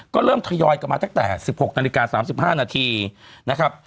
ก็เริ่มทยอยกลับมาตั้งแต่๑๖นาฬิกา๓๕นาทีนะครับ